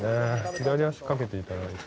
左足、かけていただいて。